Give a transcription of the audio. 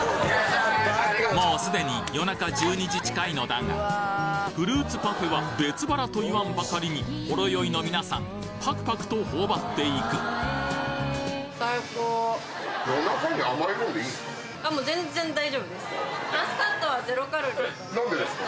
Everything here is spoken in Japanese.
もうすでに夜中１２時近いのだがフルーツパフェは別腹と言わんばかりにほろ酔いの皆さんパクパクと頬張っていく何でですか？